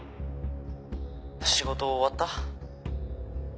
「仕事終わった？」